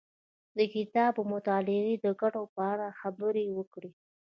د کتاب او مطالعې د ګټو په اړه خبرې وکړې.